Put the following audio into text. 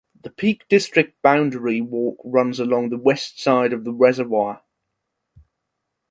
The Peak District Boundary Walk runs along the west side of the reservoir.